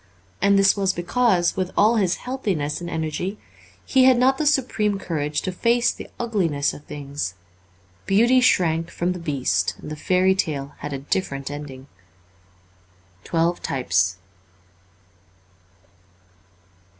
And this was because, with all his healthiness and energy, he had not the supreme courage to face the ugliness of things ; Beauty shrank from the Beast and the fairy tale had a different ending. ' Twelve Types.'